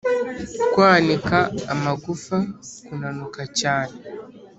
Kwanika amagufa Kunanuka cyane